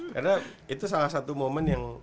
karena itu salah satu momen yang